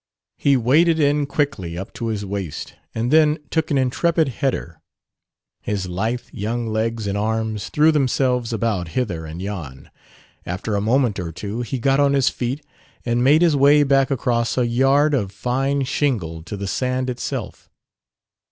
He waded in quickly up to his waist, and then took an intrepid header. His lithe young legs and arms threw themselves about hither and yon. After a moment or two he got on his feet and made his way back across a yard of fine shingle to the sand itself.